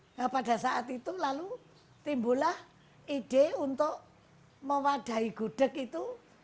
nah pada saat itu lalu timbulah ide untuk mewadahi gudeg itu